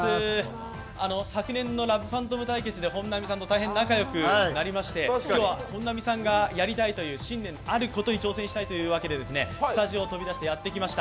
昨年の「ＬＯＶＥＰＨＡＮＴＯＭ」対決で本並さんと仲良くなりまして今日は本並さんがやりたいという新年のあることに挑戦したいということでスタジオを飛び出してやってきました。